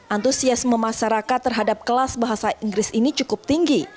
antusiasme masyarakat terhadap kelas bahasa inggris ini cukup tinggi